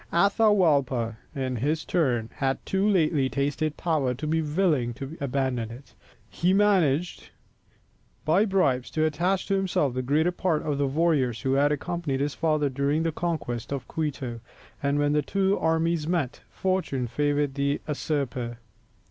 Atahualpa, in his turn, had too lately tasted power to be willing to abandon it. He managed by bribes to attach to himself the greater part of the warriors who had accompanied his father during the conquest of Quito, and when the two armies met, fortune favoured the usurper.